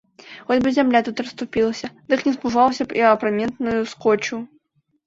Хоць бы зямля тут расступілася, дык не спужаўся б і ў апраметную скочыў.